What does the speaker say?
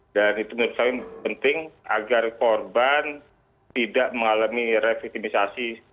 dan itu menurut saya penting agar korban tidak mengalami revitalisasi